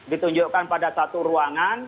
ditunjukkan pada satu ruangan